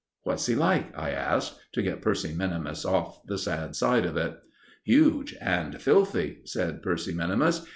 "What's he like?" I asked, to get Percy minimus off the sad side of it. "Huge and filthy," said Percy minimus.